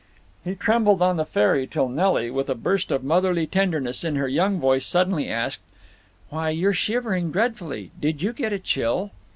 He trembled on the ferry till Nelly, with a burst of motherly tenderness in her young voice, suddenly asked: "Why, you're shivering dreadfully! Did you get a chill?"